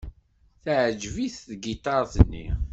Teɛjeb-it tgiṭart-nni.